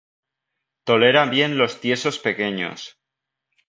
Toleran bien los tiestos pequeños.